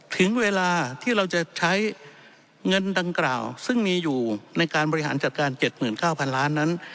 ถึงเวลาที่เราจะใช้เงินดังกล่าวซึ่งมีอยู่ในการบริหารจัดการ๗๙๐๐ล้านนั้น